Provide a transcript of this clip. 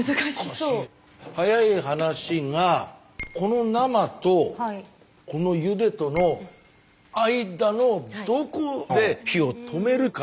早い話がこの生とこのゆでとの間のどこで火を止めるか。